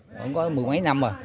vẫn có mười mấy năm rồi